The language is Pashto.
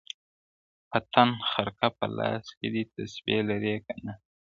په تن خرقه په لاس کي دي تسبې لرې که نه,